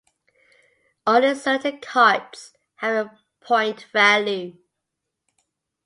Only certain cards have a point value.